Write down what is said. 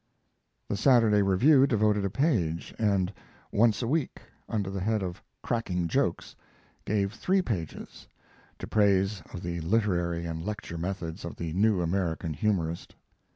The Saturday Review devoted a page, and Once a Week, under the head of "Cracking jokes," gave three pages, to praise of the literary and lecture methods of the new American humorist.